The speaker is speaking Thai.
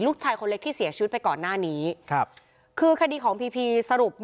คนเล็กที่เสียชีวิตไปก่อนหน้านี้ครับคือคดีของพีพีสรุป